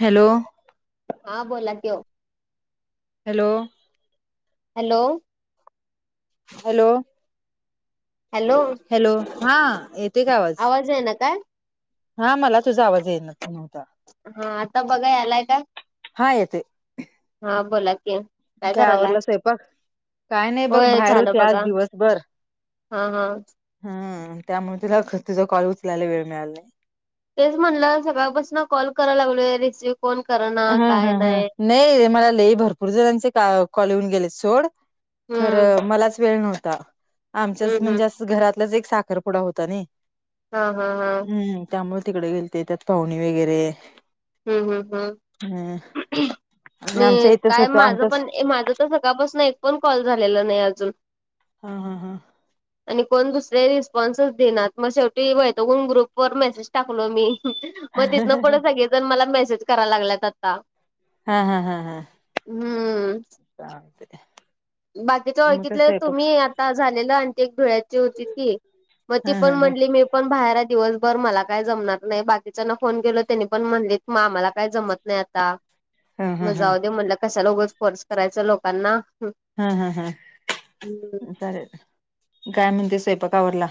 Hello! हा बोला की ओ. Hello! Hello! Hello! Hello! Hello हा. येते का आवाज आहे ना काय. हा मला तुझा आवाज ये न नव्हता. हा आता बघा आलाय का हा येते हा बोला क काय आववरडलं स्वयंपाक काय नाही बघ होय बाहेर झालं होते बघा आज दिवसभर. हा हा. हम त्यामुळे तुला तुझ कॉल उचलायला वेळ मिळाला नाही. तेच म्हटलं सकाळपासून कॉल कराय लागलोय रिसीव फोन करणा हा हा हा नाही रे मला लई भरपूर जणांचे कॉल येऊन गेले सोड. हम्म खरं मलाच वेळ नव्हता आमचच हम्म हम्म म्हणजे घरात आपच एक साखरपुडा होता ना हा हा हा. हम्म त्यामुळे तिकडे गेलते त्यात पाहुणी वगैरे. हम्म हम् हम्म हम् आणि आमच्या मी इथंच काय होत माझ आमच्याच पण माझ तर सकाळपासून एक फण कॉल झालेला नाही अजून हा हा हा. [inaudible] आणि कोण दुसर्या रिस्पॉन्च देेत मग शेवटी वन ग्रुपवर मेसेज टाकलो मी. मग तिथनं पुढं सगळेजण मला मेसेज कराला लागल्यात आता. हा हा हा हा. हम्म. का ते. बाकीच्या ओळखीतलं तुम्ही आता झालेलं आणि ती एक धुळ्याची होती ती. मग हा ती पण हा हा म्हणली मी. पण बाहेर दिवसभर मला काय जमणार नाही बाकीच्यांना फोन केल त्यांनी पण म्हणले मा मला काय जमत नाही. नाही आता हा हा हा मजाऊ दे म्हणलं कशाला उगंच कोर्स करायचं लोकांना. हा हा हा. हम्. चा काय म्हणते स्वयंपाक आवरला.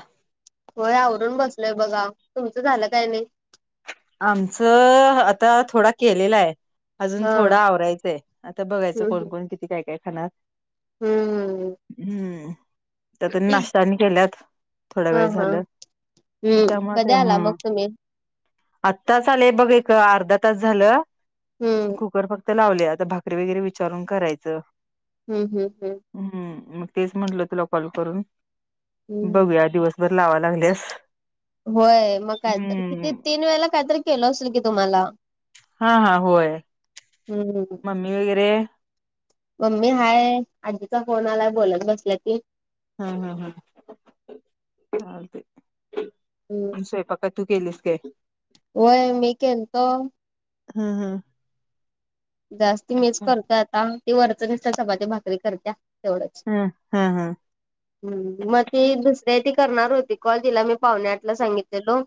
होय आवरून बसलोय बघा तुमचं झालं काय नाही. आमचं आता थोडा केलेला आहे. अजून हा थोडं आवरायचंय आता बघायचं हम्म कोणकण किती काय काय खाणार? हम्म हम्म हम्म. त्या त्यांनी नाश्तानी केल्यात थोड्या हा वेळ हा झालं हम्म त्यामुळे कधी ते ह आला मग तुम्ही आत्ता चालेय बघ का अर्धा तास झालं हम्म कुकर फक्त. तर लावले आता भाकरी वगैरे विचारून करायचं. हम् हम् हम्. ह् मग तेच म्हंटलं तुला कॉल करून हम्म बघूया दिवस. बर लावं लागलीस. होय मग कायत किती तीन वेळेला काहीतरी केलं असेल कि तुम्हाला हा हा होय हम्म मम्मी वगैरे मम्मी हाय आजीचा फोन आलाय बोलत बसल्या की. हा हा हा चा ते हम्. स्वपकाच केलीस काय? होय मी केल तो. हा हा. जास्त मीच करतो आता ती वरच नुसत चपाती भाकरी करत्या हम हा हा. हम् मग ती दुसऱ्या ती करणार होती कॉल तिला मी पाहुणे आठला सांगितलेलो.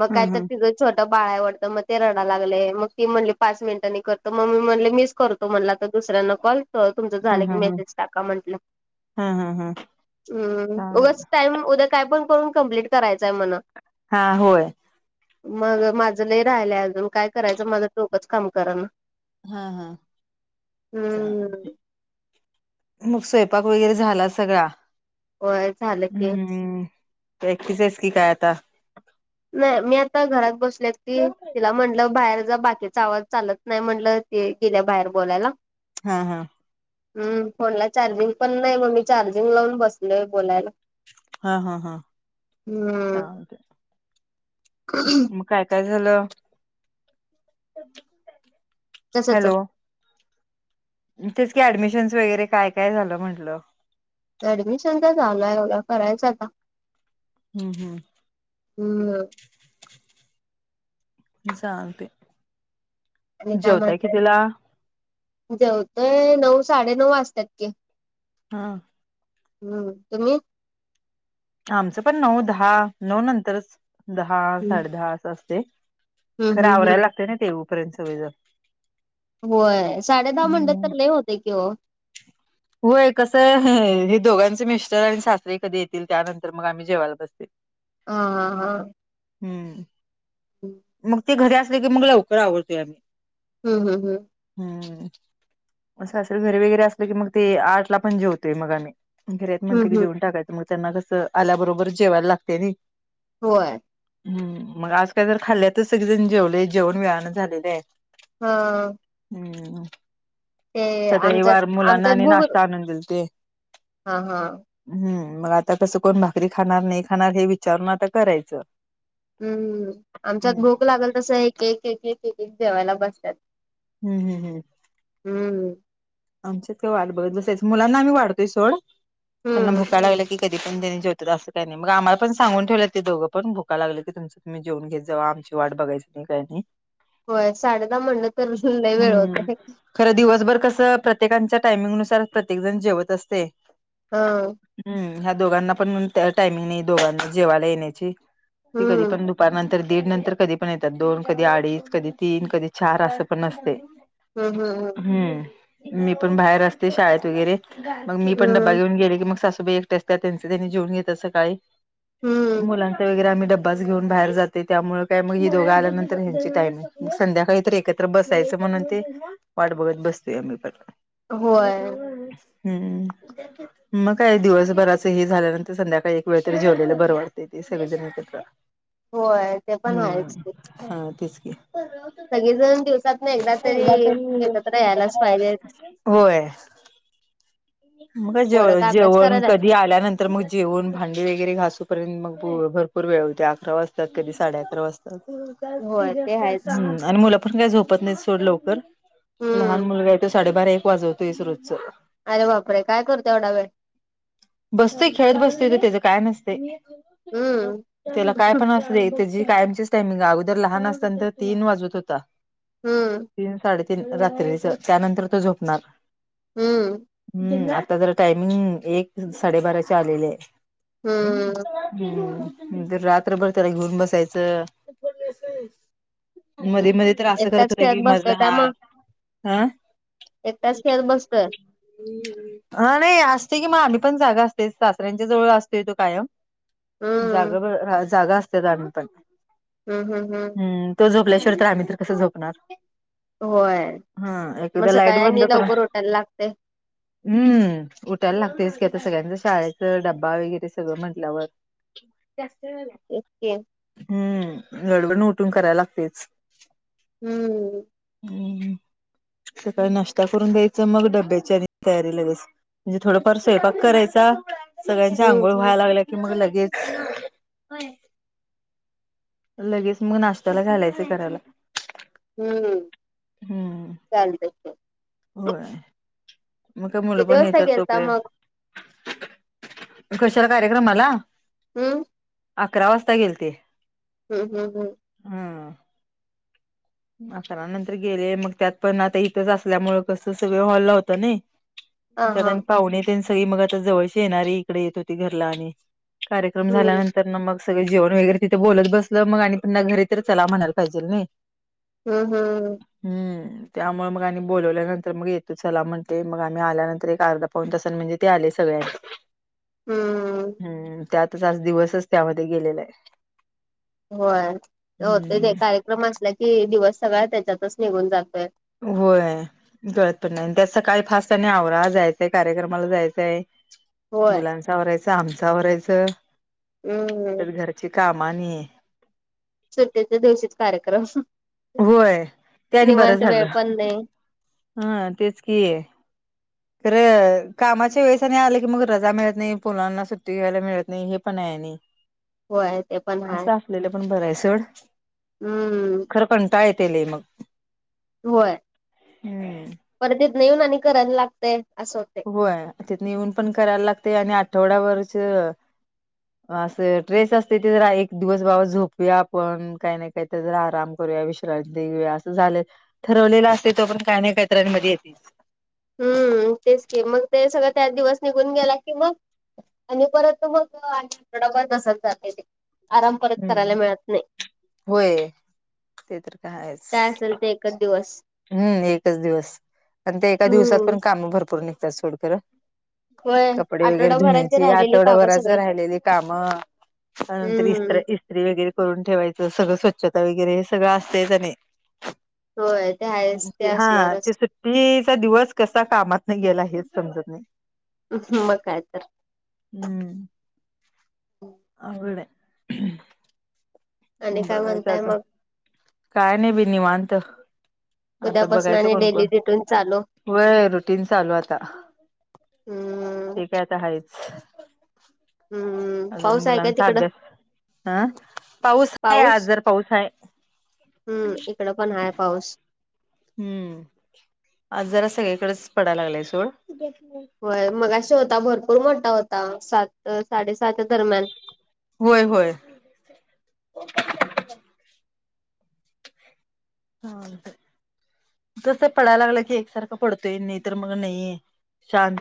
मग काय तर हम् तिझं छोटं बाळ आवडतं मग ते रडा लागले मग ती म्हणली पाच मिनिटांनी करत तर मम्मी म्हणले मिस करतो म्हणला तर दुसऱ्यांना कॉल तुमचं झालं हम् हम् हम् की हम् मेसेज टाका म्हटलं. हम् हम् हम् हम्म चालेल उगच टाइम उद्या काय पण करून कम्प्लीट करायचय मणा हा होय. मग माझं ल राहिलंय अजून काय करायचं माझं तोकच काम करा ना. हा हा. हम्म मग स्वयंपाक वगैरे झाला सगळा होय झालं की हम्म एक्टिसाइज की काय आता. नाही मी आता घरात बसलेत की हा तिला म्हटलं बाहेर जा बाकी. आवाज चालत नाही म्हटलं ते गेल्या बाहेर बोलायला. हा हा. हम् फोनला चार्जिंग पण नाही मग मी चार्जिंग लावून बसलोय बोलायला. हा हा हा. हम्. मग काय काय झालं. कसच. हॅलो तेच का ऍडमिशन्स वगैरे काय काय झालं म्हटलं. ऍडमिशन तर झालय बघा करायच आता. हम्म हम्. हम्म. चालते आणि काय म्हणतय जेवतोय नऊ साडे नऊ वाजतात. हा हम्म तुम्ही आमचं पण नऊ दहा नऊ नंतरच दहा हम्म साडे दहा असं असते. हम्म खरं हम्म आवरायला हम्म लागते ना तेऊपर्यंत सवय जर होय साडे दहा म्हणटे तर ल होते कि, होय कस आहे हे दोघांचे मिस्टर आणि शासरीे कधी येतील. त्यानंतर मग आम्ही जेवायला बसते ह हा हा हम्म हम्म मग ते घरी असले की मग लवकर आवडतोय आम्ही हम् हम हम हम्म असं असल घर वगैरे असल की मग ते आठला पण जेवतोय मग आम्ही घरेत म्हणते की हम्म हम्म जेऊन टाकायचं मग त्यांना कसं आल्याबरोबर जेवायला लागते नाही. होय हम्म मग आज काल तर खाल्ल्यातच सगळे जण जेवले जेवण वेयाानं झालेलं आहे. हा हम्म ते आमच्यात सतळीवार मुलांना आमच्यात आणि भूक नाश्ता आणून दिल ते हा हा हम्म मग आता कसं कोण भाकरी खाणार नाही खाणार हे विचारून आता करायचं. हम्म आमचा हम्म भोक लागल तस एक एक एक एक एक जवायला बसतात. हम् हम् हम हम्म आमच्यात वाट बघत बसेच मुलांना आम्ही वाढतोय सोड त्यांना हम्म भुकायला लागला क कधी पणनी जेवतात असं का नाही मगम्हाला पण सांून ठेवलं ते दोघं पण भुका लागलं क तुम तुम्ही जेवून घेत जा आमची वाट बघायं नाही काही नाही. होय साडे दहा म्हणलं तर जुलाई वेळ हम्म होते. खरं दिवसभर कसं प्रत्येकांच्या टायमिंगनुसार प्रत्येक जण जेवत असते. हा हम् ह्या दोघांना पण टायमिंग नाही दोघांना जेवायला येण्याची ठीक हम्म पण दुपार तर दीड नंतर कधी पण येतात दोन कधी अडीच कधी तीन कधी चार असं पणसते. हम् हम हम. हम्म मी पण बाहेर असते शाळेत वगैरे मग मी पण डब्बा हम्म घेऊन गेले की मग सासूबाई स मु [inaudible] हम्म अभ घेन बाहेर जात त्यामुळे काय मग ही दोघं आल्यानंतर ह्यांची टाइमिंग संध्याकाळी तर एकच बसायच म्हणून ते वाट बघत बसतोय आम्ही परत होय हम्म मग काय दिवसभराचं हे झाल्यानंतर संध्याकाळी एक वेळ तरी जेवलेलं बरं वाटते. सर्वजन एकत होय ते पण आहेच हम्म की हा तेच क सगळेजण दिवसात ना एकदा तरी एकत्र यायलाच पाहिजे. होय मग जे पोरं का अभ्यास जेवण करायल्यात कधी आल्यानंतर तर मग जेवून भांडी वगैरे घासूपर्यंत मग भरपूर वेळ होते अकरा वाजतात कधी साडे अकरा वाजताात. जास्ती होय ते जास्त आहेच आणि मुलं पण काही झोपत नाही सथोडं लवकर लहान हम्म मुलगा आहे तो साडेबारा एक वाजवतोयस रोजच अरे वापरे काय करतो एवढा वेळ बसतोय खेळत बसतोय तर त्याचं काय नसते हम्म त्याला काय पण अस रे त्याचीी कायमचीच टाइमिंग आहे अगोदर लहान असताना तर तीन वाजत होता. हम्म तीन साडेतीीन रात्रीच त्यानंतर तो झोपणार. हम्म हम्म आता जरा टायमिंग एक साडेबाराच्या आलेलेय हम्म हम्म ज रात्रभर त्याला घेऊन बसायचं हम्म मध्ये मध्ये तर असं करत एकटाच होते की खेळत बसतोय मजाला काय हा मग हं एकटाच खेळत बसतोय हा नाही असते कि म आम्ही पण जागा असतय सासऱ्यांच्या जवळ असतोय तो कायम हम्म जागा बर जागा असतेत आम्ही पण हम् हम हम हम् तो झोपल्याशिवाय तर आम्ही तर कसं झोपणार? होय हा म एकदा लाईट सकाळ बंद आणि करून लवकर उठायला लागतय हम्म उठायला लागतयच की आता सगळ्यांच शाळेच डब्बा वगैरे सगळं म्हटल्यावर जास्त झा ए के हम्म गडबडीनं उठून करायला लागतयच हम्म हम्म सकाळी नाश्ता करून द्यायचं मग डबे तयारी लगेच म्हणजे थोडफार स्वयंपाक करायचा सगळ्यांच्या हम्म आंघोळ व्हाय लागल्या की मग लगेच लगेच मग नाश्त्याला घालायचं करायला‌ हम्म हम्म चालतय [unintelligible] होय मग काय मुलं किती पण वाजता येतात गेलता तोपर्यंत मग कशाला कार्यक्रमला? हम् अकरा वाजता गेलते हम् हम् हम हं अकरा नंतर गेले मग त्यात पण आता इथंच असल्यामुळे कस सगळ हॉलला होतंनय हा त्याता हा आणि पाहुणेे ते सगळी मग आता जवळची येणारी इकडे येत होती घरला आणि कार्यक्रम हम्म झाल्यानंतर तर ना मग सगळ जेवण वगैरे तिथे बोलत बसलो मग आणि त्यांना घरी तर चला म्हणायला पाहिजेल नय हम् हम् हम्म त्यामुळे मग आम्ही बोलवल्यानंतर मग येतो चला म्हणते मग आम्ही आल्यानंतर एक अर्धापाऊन तासानं म्हणजे ते आले सगळ्या हम्म हम्म त्यातच आज दिवसच त्यामध्ये गेलेलाय. होय होत ते हम्म कार्यक्रम असला की दिवस सगळा त्याच्यातच निघून जातोय होय कळत पण नाय त्यात सकाळी फास्ट त्यांनी आवरा जायचाय कार्यक्रमाला जायचंय होय मुलांचा आवरायचं आमचा आवरायचं हम्म तर घरची कामानी सुटीच्या दिवशीच कार्यक्रम होय ते आणि बरं निवांत वेळ झालं पण नाही हा तेच कि खरं कामाच्या वेळेस नाही आलं की मग रजा मिळत नाही पोरांना सुट्टी घ्यायला मिळत नाही हे पण आहे. होय ते पण हाय असं असलेलं पण बरंय सोड हम्म खरं कंटाळा येतय लय मग होय हम्म परत तितनं येऊन आणि करायला लागतय असं होतय होय तिथंन येऊन पण करायला लागतय आणि आठवड्याभरचं असं ट्रेस असते ते जरा एक दिवस बाबा झोपूया आपण काही नाही. काहीतरी जरा आराम करूया विश्रांती घेऊया असं झालं ठरवलेल असतेय. तो पर्यंत काय नाही काहीतऱमध्ये आणि येतय. हम्म. तेच की. मग ते सगळं त्यात दिवस निघून गेला की मग- आणि परत मग आ आठवडाभर तसाच जातोय. ते आराम परत करायला हम्म मिळत नाही. होय. ते तर काय आहेच. काय असेल ते एकच दिवस. हम्म एकच दिवस. आणि ते एका दिवसात हम्म पण काम भरपूर निघतात. सोडकरं- होय. कपडे वगैरे आठवडाभराची धुण्याची. राहिलेली कामं आठवडाभराचं सगळे राहिलेली काम- त्यानंतर हम्म इस्त्र इस्त्री वगैरे करून ठेवायचं. सगळं स्वच्छता वगैरे हे सगळ असंतय का नाही? होय. तेआहे. हा. ते सुट्टीचा दिवस कसा कामातन गेला हेच समजत नाही. हं. मग काय तर. हम्म. हो आंघोळ नाही. आणि काय बघायचं म्हणताय आता. मग काय नाही बी निवांत. उद्यापासन आणि डेली रुटीन चालू. व्हय रुटीन चालू आता. हम्म ते तर आता आहेच. हम्म अजून पाऊस आहे का मुलांचा तिकडं अभ्यास. हं? पाऊस आहे आज जर पाऊस आहे. हम्म. इकड पण हाय पाऊस. हम्म. आज जरा सगळीकडेच पडायला लागलाय सोड. व्हय. मगाशी होता भरपूर मोठा होता. सात साडेसहाच्या दरम्यान. होय होय. हां. कसं पडायला लागलाय की एकसारखं पडतोय नाही तर मग नाही.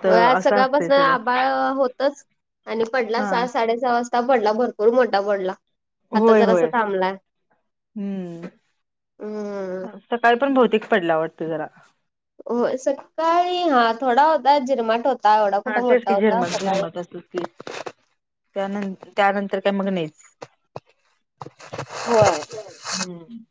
होय, आज सकाळपासन आभाळ होतच आणि पडला हा सहा साडे सहा वाजता. ता पडला. भरपूर मोठा पडला. आता होय जरासं होय थांबलाय. हम्म हम्म. सकाळी पण बहुतेक पडला वाटत जरा. हो. सकाळी हा थोडा होता. झिरमाट होता एवढा कुठं मोठा होता सकाळी. त्यान त्यानंतर काय मग नाहीच. होय. हम्म.